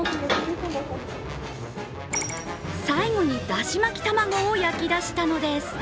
最後に、だし巻き卵を焼きだしたのです。